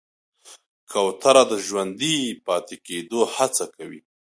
کوتره د ژوندي پاتې کېدو هڅه کوي.